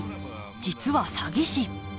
実は詐欺師。